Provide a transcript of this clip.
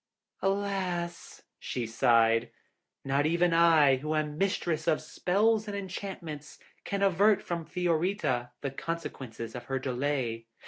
'Alas,' she sighed, 'not even I, who am mistress of spells and enchantments, can avert from Fiorita the consequences of her delay.